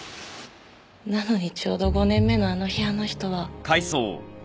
なのにちょうど５年目のあの日あの人は。